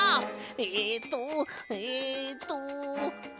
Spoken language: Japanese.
えっとえっと。